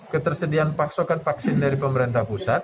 ketersediaan pasokan vaksin dari pemerintah pusat